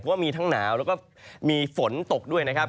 ก็มีทั้งหนาวและมีฝนตกด้วยนะครับ